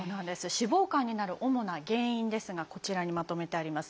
脂肪肝になる主な原因ですがこちらにまとめてあります。